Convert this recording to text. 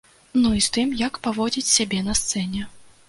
Ну і з тым, як паводзіць сябе на сцэне.